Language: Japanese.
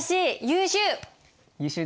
優秀！